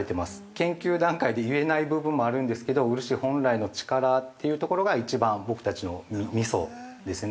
研究段階で、言えない部分もあるんですけど漆本来の力というところが一番、僕たちのみそですね。